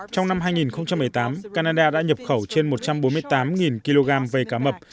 trong năm hai nghìn một mươi tám canada đã nhập khẩu trên một trăm bốn mươi tám kg vây cá mập